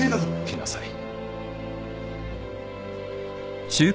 来なさい。